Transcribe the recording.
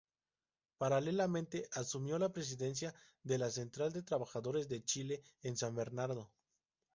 Paralelamente, asumió la presidencia de la Central de Trabajadores de Chile en San Bernardo.